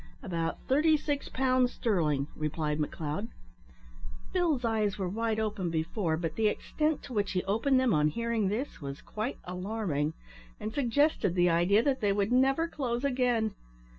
"About thirty six pounds sterling," replied McLeod. Bill's eyes were wide open before, but the extent to which he opened them on hearing this was quite alarming, and suggested the idea that they would never close again.